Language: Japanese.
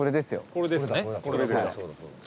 これです。